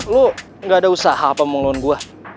lo ga ada usaha apa mau ngelohon gue